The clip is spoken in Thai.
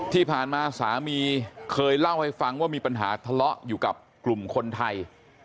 ที่ผ่านมาสามีเคยเล่าให้ฟังว่ามีปัญหาทะเลาะอยู่กับกลุ่มคนไทย